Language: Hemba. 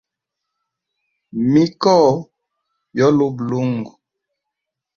Mikoo yo luba lungu.